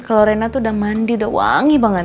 kalau rena tuh udah mandi udah wangi banget